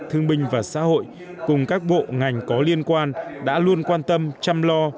thương binh và xã hội cùng các bộ ngành có liên quan đã luôn quan tâm chăm lo